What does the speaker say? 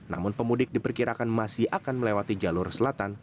namun pemudik diperkirakan masih akan melewati jalur selatan